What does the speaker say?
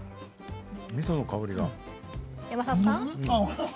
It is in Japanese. みその香りが。